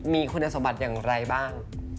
มีคุณสมบัติอย่างไรบ้าง